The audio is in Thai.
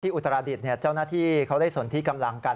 อุตราดิษฐ์เจ้าหน้าที่เขาได้สนที่กำลังกัน